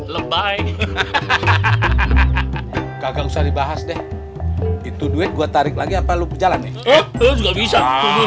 lebih baik hahaha kagak usah dibahas deh itu duit gua tarik lagi apalagi jalan ya nggak bisa